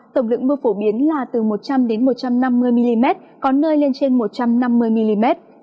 tổng lượng mưa phổ biến là từ một trăm linh một trăm năm mươi mm có nơi lên trên một trăm năm mươi mm